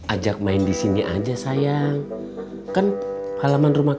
ajak main disini aja sayang